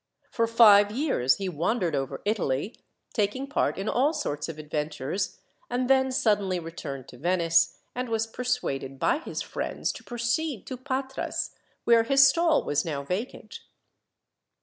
For five years he wandered over Italy, taking part in all sorts of adventures, and then suddenly returned to Venice, and was persuaded by his friends to proceed to Patras, where his stall was now vacant.